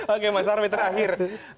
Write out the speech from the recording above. oke mas armi terakhir